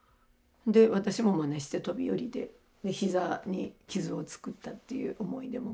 で私もまねして飛び降りて膝に傷をつくったっていう思い出も。